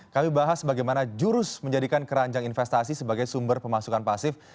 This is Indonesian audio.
kami bahas bagaimana jurus menjadikan keranjang investasi sebagai sumber pemasukan pasif